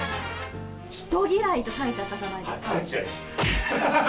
人嫌いと書いてあったじゃな大っ嫌いです。